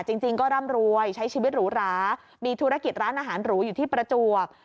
จริงก็ร่ำรวยใช้ชีวิตหรูหรามีธุรกิจร้านอาหารหรูอยู่ที่ประจวบ